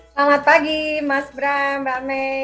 selamat pagi mas bram mbak may